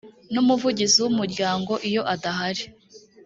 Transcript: n umuvugizi w umuryango iyo adahari